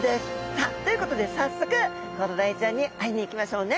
さあということで早速コロダイちゃんに会いに行きましょうね。